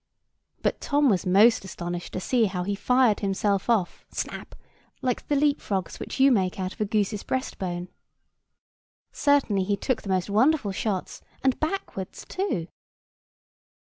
But Tom was most astonished to see how he fired himself off—snap! like the leap frogs which you make out of a goose's breast bone. Certainly he took the most wonderful shots, and backwards, too.